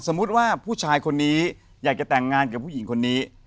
สมมุติว่าผู้ชายคนนี้อยากจะแต่งงานกับผู้หญิงคนนี้